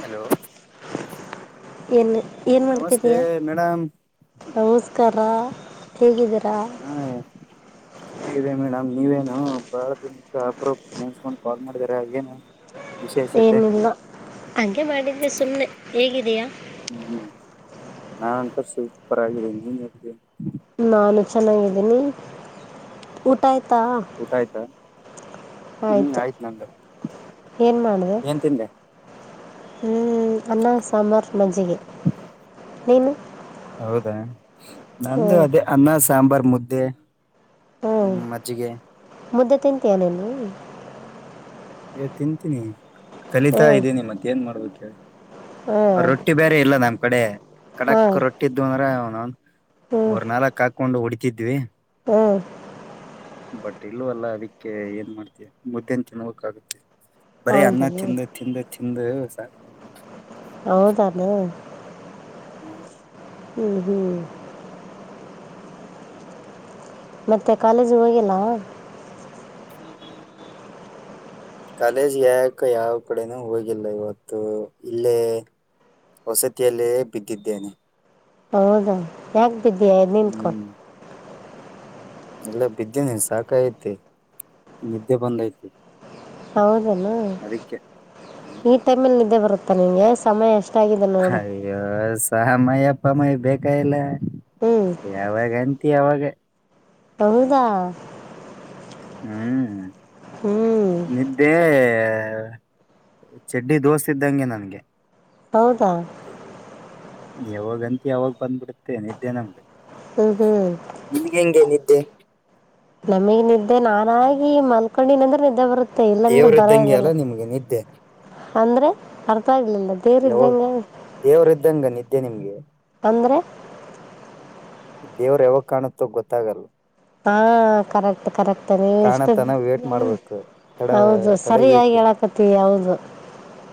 hello ಏನ್ ಏನ್ ನಮಸ್ತೆ ಮಾಡ್ತಿದಯಾ ಮೇಡಮ್ ಹೌಸ್ ತರ ಹೇಗಿದ್ದಾರೆ ಹಾ ಚೆನ್ನಾಗಿದೆ ಮೇಡಮ ನೀವೇನು ಬಾಳ ದಿನಕ್ಕೆ ಅಬ್ರಬ್ಬಟ್ಟ ನೆನ್ಸ್ಕೊಂಡು ಕಾಲ್ ಮಾಡಿದರ ಏನು ವಿಶೇಷತೆ ಏನಿಲ್ಲ ಹಾಗೆ ಮಾಡಿದೆ ಸುಮ್ಮ್ನೆ ಹೇಗಿದೀಯಾ ಹ್ಮ ನಾನಂತ ಸೂಪೂಪರ್ ಆಗಿದ್ದೀನೆ ನೀನ್ ಹರ್ತ ನಾನು ಚೆನ್ನಾಗಿದ್ದೀನಿ ಊಟ ಆ್ತ ತ್ತಾ ಊಟ ಆಯ್ತಾ ಹ್ಮ್ ಆಯ್ತು ಆಯ್ತ್ ನಂದು ಏನ್ ಮಾಡಿದೆ ಏನ್ ತಿಂದೆ ಹ್ಮ್ ಅನ್ನ ಸಾಂಬಾರ್ ಮಜ್ಜಿಗೆ ನೀನು ಹೌದಾ ಹ್ಞೂ ನಂದು ಅದೇ ಅನ್ನ ಸಾಂಬಾರ್ ಮುದ್ದೆ ಹ್ಞೂ ಮಜಿಗೆ ಮುದ್ದೆ ತಿಂತ ಏನೇನು ಏ ತಿಂತೀನಿ ಕಲಿತಾ ಇದ್ದೀನಿ ಮತ್ತ ಏನ್ ಮಾಡ್ಬೇಕ ಹ್ಮ ಇಲ್ಲ ನಮ್ಮ್ ಕಡೆ ಕಡಕ್ ರೊಟ್ಟಿದ್ದು ಅಂದ್ರೆ ಹೇ ಹ್ಞೂ ಮೂರ್ ನಾಲ್ಕಕ್ ಹಾಕೊಂಡು ಹೊಡಿತಿದ್ವಿ ಹ್ಞೂ ಬಟ್ ಇಲ್ವಲ್ಲ ಅದಿಕ್ಕೆ ಏನ್ ಮಾಡ್ತಯ ಮುದ್ದೆನ ತಿನ್ವಕ್ ಆಾಗುತ್ತೆ ಬರೀ ಹೌದಾ ಅನ್ನ ತಿಂದು ತಿಂದು ತಿಂದು ಸಣ್ಣ ಆಗಿದ್ದೀಯಾ ಹೌದಾನ ಹ್ಮ್ ಹ್ಮ್ ಮತ್ತೆ ಕಾಲೇಜು ಹೋಗಲ್ಲ ಕಾಲೇಜ್ ಯಾಕ ಯಾವ ಕಡೆನೂ ಹೋಗಿಲ್ಲ ಇವತ್ತು ಇಲ್ಲೇ ವಸತಿಯಲ್ಲೇ ಬಿದ್ದಿದ್ದೇನೆ ಹೌದಾ ಯಾಕ ಬಿದ್ದ್ಯಾ ನಿಂತ್ಕೊಟ್ಟು ಎಲ್ಲ ಬಿದ್ದೆ ನೀನ್ ಸಾಕ ತಿ ನಿದ್ದೆ ಬಂದ್ ಐತೆ ಹೌದೇನಾ ಹ್ಮ್ ಈ ಟೈಮಲ್ಲಿ ಇದೇ ಬರುತ್ತಾ ನಿಂಗೆ ಸಮಯ ಅಷ್ಟೇ ಅಯ್ಯೋ ಸಹ ಮಯ ಅಪ್ಪ ಮ ಬೇಕ ಇಲ್ಲ ಹ್ಞೂ ಯಾವಾಗ ಅಂತಿ ಯಾವಾಗ ಹಹದಾ ಹ್ಮ್ ನಿದ್ದೆ ಚಡ್ಡಿ ದೋಸ ಇದ್ದಂಗೆ ನನ್ಗೆ ಹೌದಾ ಯಾವಾಗಂತ ಯಾವಾಗ ಬಂದ್ಬಿಡುತ್ತೆ ನಿದ್ದೆ ನಮ್ಗೆ ಹ್ಮ್ ಹ್ಮ್ ಹ ನಮಗ್ ನಿದ್ದೆ ನಾನಾಗಿ ಮಲ್ಕೊಂಡಿನ ಅಂದ್ರೆ ನಿದ್ದೆ ಬರುತ್ತೆ ತ್ತೆ ಇಲ್ಲಾಂದ್ರೆ ಬರ ದೇವ್ರದ್ದಂಗೆ ಆಗಲ್ಲ ಅಲ್ಲ ನಿಮ್ಗೆ ನಿದ್ದೆ ಅಂದ್ರೆ ಅರ್ಥ ಆಗ್ಲಿಲ್ಲ ಬೇರ ಇದ್ದಂಗೆ ದ್ದೆ ನಿಮ್ಗೆ ಅಂದ್ರೆ ದೇವ್ರ ಯಾವಾಗ ಕಾಣುತ್ತೋ ಗೊತ್ತಾಗಲ್ಲ ಹಾಂ ಕರೆಕ್ಟ್ ಕರೆಕ್ಟ್ ಎಷ್ಟ ಕಾಣತನ ವೇಟ್ ಮಾಡ್ಬೇಕು ತಡ ಹೌದು ಸರಿಯಾಗಿ ತಡಬೇಕು ಹೇಳಕತಿೌದು ಹ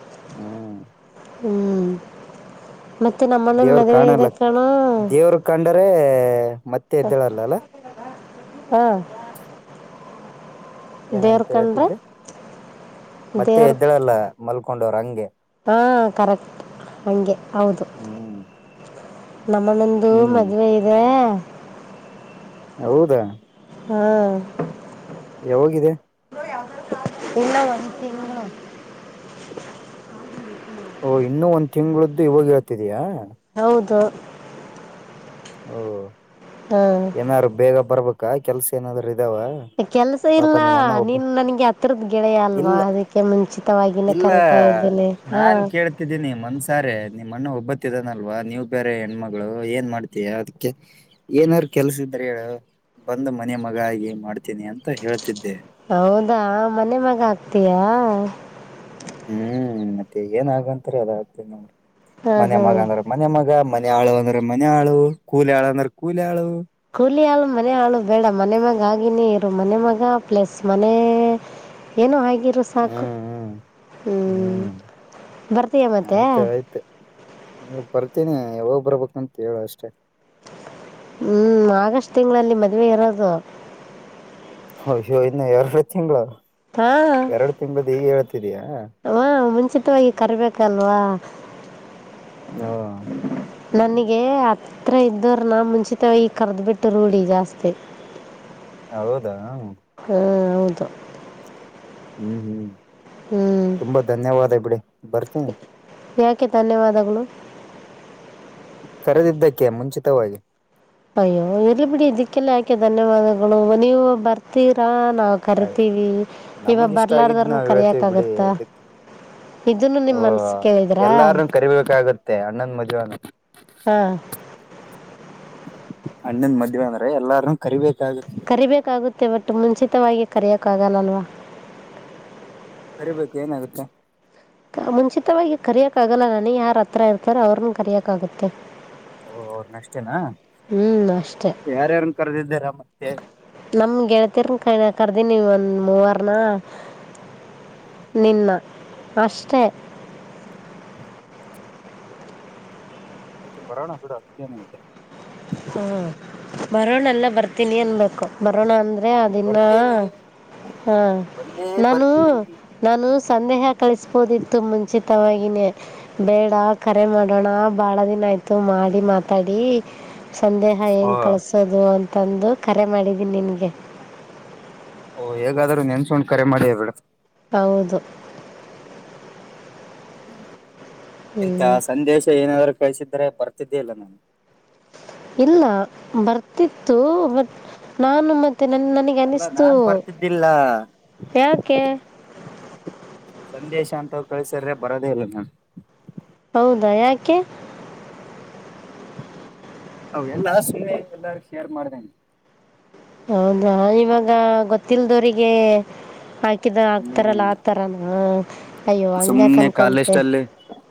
ಹ್ಮ ಹ್ಮ್ ದೇವ್ರ ಕಾಣಲ್ಲ ದೇವ್ರ ಕಂಡರೆ ಮತ್ತೆ ಎದ್ದಳಲ್ಲಲ್ಲ ಹಾ ದೇವ್ರ ಏನಂತ ಕಂಡ್ರೆ ಹೇಳ್ತಿದ್ದೆ ಮತ್ತೆ ಎದ್ದಳಲ್ಲ ಮಲ್ಕೊಂಡೋರು ಹಂಗೆ ಹಾ ಕರೆಕ್ಟ್ ಹಗೆ ಹೌದು ಹ್ಮ್ ನಮ್ಮಂದು ಹ್ಮ್ ಮದುವೆ ಇದೆ ಹೌದಾ ಹಾಂ ಯಾವಾಗಿದೆ ಇನ್ನ ಒಂದ್ ತಿಂಗ್ಳು ಓ ಇನ್ನುೂ ಒಂದ್ ತಿಂಗಳದ್ದು ಇವಾಗ ಇರತ್ತಿದಯಾ ಹೌದು ಓ ಹಾಂ ಏನಾದಾರರು ಬೇಗ ಬರ್ಬೇಕಾ ಕೆಲ್ಸ ಏನಾದ್ರು ಇದಾವ ಕೆಲ್ಸ ಪಾಪ ಇಲ್ಲ ನಿಮ್ಮಣ್ಣ ಒಬ್ಬ ನೀನ್ ನನ್ಗೆ ಹತ್ರದ ಗೆಳೆಯ ಇಲ್ಲ ಅಲ್ವಾ ಅದಕ್ಕೆ ಮುಂಚೆ ಇಲ್ಲ ನಾನ್ ಕೇಳ್ತಿದ್ದೀನಿ ಮನ್ಸಾರೆ ನಿಮ್ಮನ್ನ ಒಬ್ಬ ಬ್ಬತ್ತಿದಾನಲ್ವಾ ನೀವ್ ಬೇರೆ ಹೆಣ್ಮಗಳು ಏನ್ ಮಾಡ್ತೀಯಾ ಅದಕ್ಕೆ ಏನಾರ ಕೆಲ್ಸ ಇದ್ರ ಹೇಳ ಬಂದ ಮನೆ ಮಗ ಆಗ ಮಾಡ್ತೀನಿ ಅಂತ ಹೇಳ ಹೌದಾ ಮನೆ ಮಗ ಹಾಗ್ತೀಯ ಹ್ಮ್ ಮತ್ತೆ ಏನಾಗಂತಾರೆ ಅದಾಗ್ತ ನೋಡ್ರಿ ಹಾಂ ಮನ್ ಮಗ ಹಾಂ ಅಂದ್ರ ಮನೆ ಮಗ ಮನೆಆಳು ಅಂದ್ರೆ ಮನೆಾಳು ಕೂಲಿ ಆಳು ಅಂದ್ರೆ ಕೂಲಿ ಆಳು ಕೂಲಿ ಹಾಳು ಮನೆ ಹಾಳು ಬೇಡ ಮನೆ ಮಾಗ ಆಗ ನೀ ಇರು ಮನೆ ಮಗ ಪ್ಲಸ್ ಮನೆ ಏನು ಆಗಿರು ಸಾಕು ಹ್ಮ್ ಹ್ಮ್ ಹ್ಮ್ ಬರ್ತೀಯಾ ಮತ್ತೆ ಆಯ್ತು ಆಯ್ತು ನೀ ಬರ್ತೀನಿ ಯಾವಾಗ ಬರ್ಬೇಕು ಅಂತ ಹೇಳು ಅಷ್ಟೇ ಹ್ಮ್ ಆಗಸ್ಟ್ ತಿಂಗಳಲ್ಲಿ ಮದ್ವೆ ಇರೋದು ಅಯ್ಯೋ ಇನ್ನು ಎರಡು ತಿಂಗಳು ಹಾ ಎರಡು ತಿಂಗಳ್ದ ಹೀಗ ಹೇಳ್ತಿದಿಯಾ ಖಚಿತವಾಗಿ ಕರ್ಬೇಕಲ್ವಾ ಹ್ಮ್ ನನಗೆ ಹತ್ತಿ ಇದ್ದರು ನಾ ಮುಂಚಿತ ಈ ಕರೆದ್ಬಿಟ್ಟು ರೂಢ ಜಾಸ್ತಿ ಹೌದಾ ಹಾ ಹೌದು ಹ್ಮ್ ಹ್ಮ್ ಹ್ಮ್ ತುಂಬಾ ಧನ್ಯವಾದ ಬಿಡಿ ಬರ್ತೀನಿ ಯಾಕೆ ಧನ್ಯವಾದಗಳು ಕರೆದಿದ್ದ ಕ್ಕೆ ಮುಂಚಿತವಾಗಿ ಅಯ್ಯೋ ಇರ್ಲಿ ಬಿಡಿ ಇದಕ್ಕೆಲ್ಲಾ ಯಾಕೆ ಧನ್ಯವಾದಗಳು ನೀವು ಬರ್ತೀರಾ ನಾವು ಆಯ್ ಕರಿತೀವಿ ಇವಾಗ ನಮಗ ಇಷ್ಟ ಬರ್ಲಾರ್ದ್ರನ ಕರಿಯಕ್ ಆಗತ್ತ ಓ ಎಲ್ಲಾರೂ ಕರಿಬೇಕಾಗುತ್ತೆ ಅಣ್ಣನ್ ಮದ್ವೆ ಹಾ ಹಣ್ಣಂದ್ ಮದ್ವೆ ಅಂದ್ರೆ ಎಲ್ಲಾರೂ ಕರಿೀಬೇಕು ಕರಿಬೇಕಾಗುತ್ತೆ ಬಟ್ು ಮುಂಚಿತವಾಗಿ ಕರೆಯೋಕ್ಕಾಗಲ್ಲಲ್ವಾ ಬರಿಬೇಕು ಏನಾಗುತ್ತೆ ಮುಂಚಿತವಾಗಿ ಕರಿಯಕ್ ಆಗಲ್ಲ ನಾನ ಯಾರ ಹತ್ರ ಇರ್ತಾರ ಅವ್ರನ್ನ ಕರಿಯಕ್ ಆಾಗತ್ತೆ ಓ ಅವ್ರನ ಅಷ್ಟೇನಾ ಹ್ಞೂ ಅಷ್ಟೇ ಯಾರ್ಯಾರನ್ ಕರೆದಿದ್ದಾರ ಮತ್ತೆ ನಮ್ ಗೆಳತಿರ್ ಕ ಕರ್ದಿ ನೀವ ಒಂದ್ ಮೂವರ್ನ ನಿನ್ನ ಅಷ್ಟೇ ಅದಕ್ಕೆ ಬರಾವಣ ಕೂಡ ಅದಕ್ಕೆಾಮ ನಿಂತ ಹ್ಮ ಬರೋಣ ಎಲ್ಲ ಬರ್ತೀನಿ ಅನ್ಬೇಕು ಬರೋಣ ಅಂದ ಅದನ್ನ ಬರ್ತೀನಿ ಹ ಒಂದೇ ನಾನು ಬರ್ತೀನಿ ನ ಸಂದೇಹ ಕಳಿಸಬೋದಿತ್ತು ಮುಂಚಿತವನೇ ಬೇಡ ಕರೆ ಮಾಡೋಣ ಬಾಳ ದಿನ ಆಯ್ತು ಮಾಡಿ ಮಾತಾಡಿ ಸಂದೇಹ ಓ ಹೆಏಗೆ ಕಳಿಸೋದು ಅಂತಂದು ಕರೆ ಮಾಡಿದ್ದೀನಿ ನಿನಗೆ ಓ ಹೇಗಾದ್ರರು ನೆನ್ಸುೊಂಡ್ ಕರೆ ಮಾಡಿ ಬೇಡ ಹೌದು ಹ್ಮ್ ಎಂತ ಹ್ಞೂ ಸಂದೇಶ ಏನಾದ್ರ ಕಳ್ಿಸಿದ್ರೆ ಬರ್ತಿದ್ದೆ ಇಲ್ಲ ನಾನು ಇಲ್ಲ ಬರ್ತಿತ್ತು ಬಟ್ ನಾನು ಮತ್ತೆ ಮತ್ತೆ ನನ್ ನನಗೆ ಅಲ್ಲ ಅನ್ನಿಸ್ತು ನಾನ್ ಬರ್ತಿದ್ದಿಲ್ಲ ಯಾಕೆ ಸಂದೇಶ ಅಂತ ಕಳ್ಸಿದ್ರೆ ಬರೋದೇ ಇಲ್ಲ ನನ್ ಹೌದಾ ಯಾಕೆ ಹ ಎಲ್ಲ ಸು ಎಲ್ಲಾರ ಶೇರ್ ಮಾಡ್ದೇನೆ ಹೌದಾ ಇವಾಗ ಗೊತ್ತಿಲ್ದವರಿಗೆ ಆ ಹಾಕಿದ ಹಾತಾರಲ್ಲ ಹ್ಮ್ ಆತಾರಾನ ಸುಮ್ನೆ ಕಾಲ ಲಿಷ್ಟ ಅಲ್ಲಿ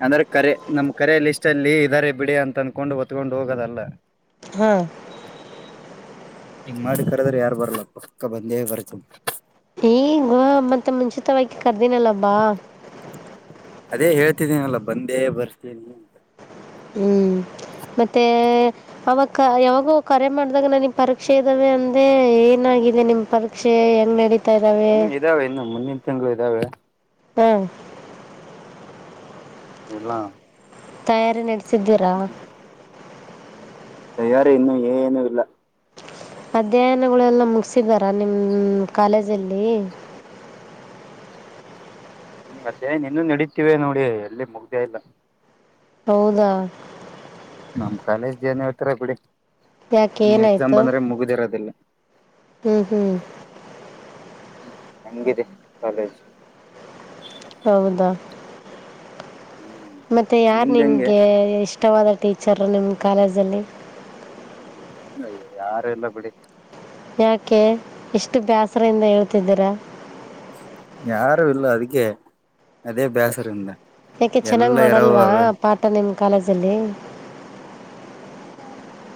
ಅಂದ್ರೆ ಕರೆ ನಮ್ ಕರೆಯಲ್ಲಿಷ್ಟ ಚಲ್ಲಿ ಇದಾರೆ ಬಿಡಿ ಅಂತ ಅನ್ಕೊಂಡು ಹೊ ಒತ್ಕೊಂಡು ಹೋಗೋದಲ್ಲ ಹಾ ಎಂಗ್ ಮಾಡ್ ಕರದ್ರ ಯಾರು ಬರ್ಲ್ಲ ಪಕ್ಕ ಬಂದೇ ಬತ್ರ ಈಗ ಮತ್ತೆ ಮುಂಚಿತವಾಗಿಕ ಕರ್ದನಲ್ಲ ಬ್ಬಾ ಅದೇ ಹೇಳ್ತಿದ್ದಿ ಬಂದೇ ಬರ್ತೀನಿ ಹ್ಮ್ ಮತ್ತೆ ಅವಾಗ ಯಾವಾಗೂ ಕರೆ ಮಾಡ್ದಾಗ ನನಗ್ ಪರೀಕ್ಷೆ ಇದ್ದಾವೆ ಅಂದೆ ಏನ [unintelligible] ಗಿದೆ ನಿಮ್ ಪರೀಕ್ಷೆ ಹೆಂಗ್ ನ [unintelligible] ಹ್ಮ್ ಇದಾವೆ ಇನ್ನು ಮುಂದಿನ ತಿಂಗಳು ಇದ್ದಾವೆ ಹಾ [unintelligible] ಎಲ್ಲಾ ತಯಾರಿ ನಡೆಸಿದ್ದೀರಾ ತಯಾರಿ ಇನ್ನು ಏನುೂ ಇಲ್ಲ ಅಧ್ಯಯನಗಳೆಲ್ಲ ಮುಗಿಸಿದಾರ ನಿಮ್ಮ ಕಾಲೇಜಲ್ಲಿ [inaudible] ಹ್ಮ್ ಅದ್ಯಯನ ಇನ್ನೂ ನಡತಿವೆ ನೋಡಿ ಎಲ್ಲಿ ಮುಗ್ದೇ ಇಲ್ಲ ಹೌದಾ ನಮ್ ಕಾಲೇಜ್ ಏನ್ ಹೇಳ್ತರ ಬಿಡಿ ಯಾಕೆ ಇನ್ನು ಎಕ್ಸಾಮ್ ಬಂದ್ರೆ ಮುಗುದಿರೋದಿಲ್ಲ ಹ್ಮ್ ಹ್ಮ್ ಹ್ಮ ಹಂಗಿದೆ ಕಾಲೇಜು ಹೌದಾ ಹ್ಮ್ ಮತ್ತೆ ಯಾರು ನಿಮ್ದ್ ಹೆಂಗೆ ನಿನಗೆ ಇಷ್ಟವಾದ ಟೀಚರು ನಿಮ್ಮ ಕಾಲೇಜಲ್ಲಿ ಅಯ್ಯ ಯಾರ ಇಲ್ಲ ಬಿಡಿ ಯಾಕೆ ಇಷ್ಟು ಬ್ಯಾಸರಿಂದ ಹೇಳ್ತಿದ್ದೀರಾ ಯಾರು ಇಲ್ಲ ಅದಕ್ಕೆ ಅದೇ ಬೇಸರ ಇನ್ನ ಯಾಕೆ ಚೆನ್ನಾಗಿ ಎಲ್ಲಾ ಮಾಡಲ್ವಾ ಇರವುಇವೆ ಪಾಠ ನಿಮ್ಮ ಕಾಲೇಜಲ್ಲಿ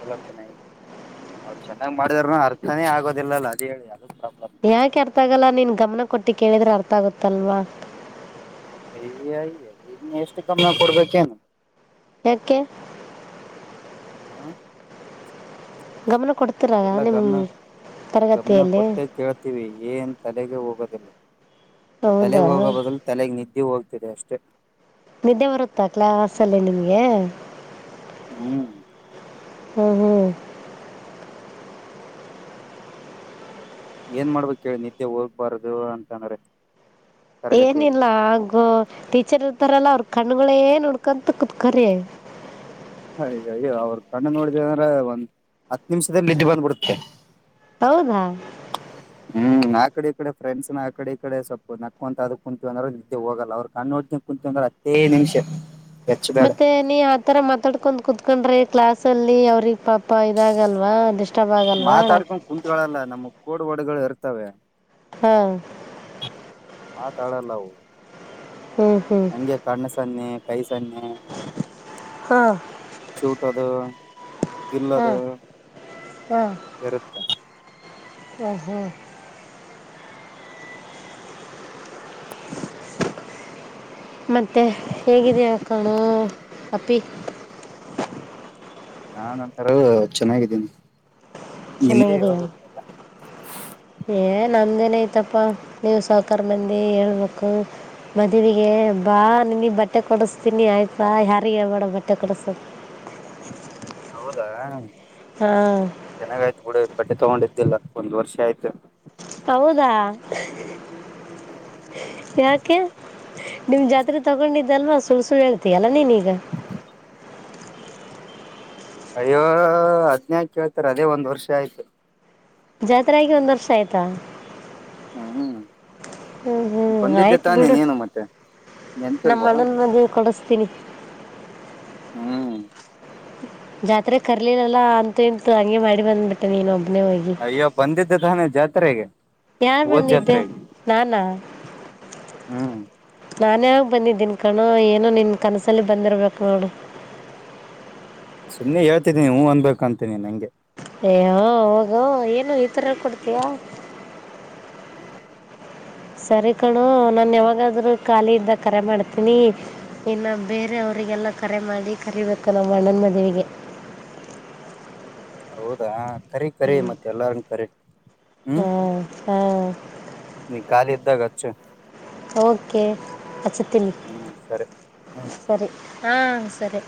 ಎಲ ಚೆನ್ನಾಗಿ ಅವ್ರು ಚೆನ್ನಾಗಿ ಮಾಡಿದಾರನು ಅರ್ಥನೇ ಆಗೋದಿಲ್ಲಲ್ಲ ಅದ್ ಹೇಳಿ ಅದು ಪ್ರಾಬ್ಲಮ್ ಯಾಕೆ ಅರ್ಥ ಆಗಲ್ಲ ನೀನ್ ಗಮನ ಕೊಟ್ಟಿ ಕೇಳಿದ್ರೆ ಅರ್ಥ ಆಗುತ್ತಲ್ವಾ ಸರಿಯ ಎಲ್ಲಿನ್ನ [unintelligible] ಎಷ್ಟು ಗಮನ್ ಕೊಡ್ಬೇಕುಏನ್ ಏಕೆ ಹಾ ಗಮನ ಕೊಡ್ತರ ಆ ನಿಮ್ ಗಮನ ಗಮನ ತರಗತಿಯಲ್ಲಿ ಕೊಟ್ಟೆ ಕೇಳ್ತೀವಿ ಏನ್ ತಲೆಗೆ ಹೋಗೋದಿಲ್ಲ ಹೌದಾ ತಲೆಗೆ ಹೋಗೋ ಬದಲು ತಲೆಗೆ ನಿ ಇ ಹೋಗ್ತಿದೆ ಅಷ್ಟೇ ನಿದ್ದೆ ಬರುತ್ತಾ ಕ್ಲಾಸಲ್ಲಿ ನಿಮ್ಗೆ ಹ್ಮ್ ಹ್ಮ್ ಹ್ಮ್ ಏನ್ ಮಾಡ್ಬೇಕ್ ಕೇಳಿ ನಿದ್ದೆ ಹೋಗ್ಬಾರದು ಅಂತಂದ್ರೆ ತರಗತಿಯಲ್ಲಿ ಏನಿಲ್ಲ ಹಾಗು ಟೀಚರ್ ಇರ್ತಾರೆಲ್ಲ ಅವ್ರ ಕಣ್ಣುಗಳೆ ನೋಡ್ಕೊಂತ ಕುತ್ಕರಿ ಅಯ್ ಅಯೊ ಅವ್ರರು ಕಣ್ಣು ನೋಡಿದ ಅಂದ್ರೆ ಒಂದ್ ಹತ್ ನಿಮಿಷದಲ್ ನಿದ್ದೆ ಬಂದ್ಬಿಡುತ್ತೆ ಹೌದಾ ಹ್ಮ್ ಆ ಕಡೆ ಈ ಕಡೆ ಫ್ರೆಂಡ್ಸ್ ನ ಆ ಕಡೆ ಇ ಕಡೆ ಸ್ವಲ್ಪ ನಕ್ಕೊಂತ ಅಂದ್ರ ನಿದ್ದೆ ಹೋಗಲ್ಲಅವ್ರ್ ಕಣ್ ನೋಡ್ ಕನ್ ಕುಂತ್ ಇೊಂದ್ರ [unintelligible] ಹತ್ತೈ ನಿಮಿಷ ಹೆಚ್ಚ ಬೇಡ ಮತ್ತೆ ನೀ ಆತರ ಮಾತಾಡ್ಕೊಂಡ್ ಕುತ್ ಕುತ್ಕೊಂಡ್ರೆ ಕ್ಲಾಸ್ ಅಲ್ಲಿ ಅವ್ರಿಗೆ ಪಾಪ ಇದಾಗಲ್ವಾ ಡಿಸ್ ಮಾತಾಡ್ಕೊಂಡ್ ಕುಂತ್ಗಳಲ್ಲ ನಮ್ ಕೋಡ್ ವರ್ಡ್ಗಳು ಇರ್ತವೆ ಹಾ ಮಾತಾಡಲ್ಲನಾವ್ ಹ್ಮ್ ಹ್ಮ್ ಹಂಗೆ ಕಣ್ ಸನ್ನೆ ಕೈಸ್ ಸನ್ನೆ ಹಾ ಚೂಟದು ಹಾ ಗಿಲ್ಲದು ಇರುತ್ತೆ ಹ್ಮ್ ಹ್ಮ್ [inaudible] ಮತ್ತೆ ಹೇಗಿದೆೆಯಾ ಕಣೋ ಅಪ್ಪಿ ನಾನ ಒಂತರ ಚೆನ್ನಾಗಿದ್ದೀನಿ ನಿಮ್ದೇ ಚನ್ನಗಿದೀಯ ಹೇಳ್ಬೇಕಲ್ಲ ಏ ನಮ್ ದೆನ್ ಐತಪ್ಪ ನೀವು ಸಾಹುಕಾರ್ ಮಂದಿ ಹೇಳ್ಬೇಕು ಮದುವಿಗೆ ಬಾ ನಿನಗೆ ಬಟ್ಟೆ ಕೊಡಿಸ್ತೀನಿ ಆಯ್ತಾ ಯಾರಿಗ್ ಹೇಳ್ಬೇಡ ಬಟ್ಟೆ ಕೊಡಸತ್ [inaudible] ಹೌದಾ ಚೆನ್ನಾಗಾಯ್ತು ಬುಡು ಬಟ್ಟೆ ತಗೊಂಡಿದ್ದಿಲ್ಲ ಒಂದ್ ವರ್ಷ ಆಯ್ತು ಹೌದಾ ಯಾಕೆ ನಿಮ್ ಜಾತ್ರೆ ತಗೊಂಡಿದ್ ಸಲ್ವಾ ಸುಳ್ ಸುಳ್ ಹೇಳ್ತಿಯಲ್ಲ ನೀನ್ ಇಗ ಅಯ್ಯೋ ಹದ್ನಯಕ ಕೇಳ್ತಾರೆ ಅದೇ ಒಂದ್ ವರ್ಷ ಆಯ್ತು ಜಾತ್ರೆಆಗಿ ಒಂದ್ ವರ್ಷ ಆಯ್ತಾ ಹ್ಮ್ ಹ್ಮ್ ಹ್ಮ್ ಬಂದಿದ್ದೆ ಆಯ್ತು ತಾನೆ ಬಿಡು ನೀನು ಮತ್ತೆೆ ನಮ್ಮ ನೆನ್ಪಿಲ್ವಾ ಅಣ್ಣನ ಮದ್ವೆ ಕೊಡಿಸ್ತೀನಿ ಹ್ಮ್ ಜಾತ್ರೆ ಕರ್ಲಿಲ್ಲಲ್ಲ ಅಂತ ಎಂತು ಹಂಗೆ ಮಾಡಿ ಬಂದ್ಬಿಟ್ಟೆ ನೀನೋಬ್ ಅಯ್ಯ ಬಂದಿದ್ದೆ ತಾನೇ ಜಾತ್ರೆಗೆ ಯಾರ್ ಹೋದ್ ಬಂದಿದ್ ಜಾತ್ರೆಗೆ ನಾನಾ ಹ್ಮ್ ನಾನೇ ಬಂದಿದ್ದೀನ್ ಕಣ ಏನೋ ನಿನ್ನ ಕನಸಲ್ಲಿ ಬಂದಿರ್ಬೇಕು ನೋಡು ಸುಮ್ಮನೆ ಹೇಳ್ತಿದ್ದೀಿ ನೀ ಹ್ಮ್ ಅಂದ್ಬೇಕ ಅಂತಿ ನಂಗೆ ಏ ಹೋಗ ಏನು ಈಥರ ಕೊಡ್ತಯ ಹ್ಮ್ [inaudible] ಸರಿ ಕಣು ನಾನು ಯಾವಾಗಾದ್ರೂ ಖಾಲಿ ಇದ್ದ ಕರೆ ಮಾಡ್ತೀನಿ ಇನ್ನು ಬೇರೆ ಅವರಿಗೆಲ್ಲ ಕರೆ ಮಾಡಿ ಕರಿಬೇಕ ನಮ್ಮ ಅಣ್ಣನ್ ಮದುವಿಗೆ ಹೌದಾ ಕರಿ ಕರಿ ಮತ್ತೆ ಎಲ್ಲಾರ ಕರಿ ಹ್ಮ ಹ್ಮ್ ಸರಿ ನೀ ಖಾಲಿ ಇದ್ದಾಗಚ್ಚು ಓಕೆ ಅಚ್ಚ ತಿಿನಿ ಹ್ಮ್ ಸರಿ ಹ್ಮ್ ಸರಿ ಹಾ ಸರಿ